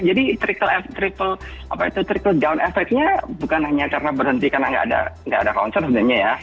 jadi triple down effect nya bukan hanya karena berhenti karena nggak ada concert sebenarnya ya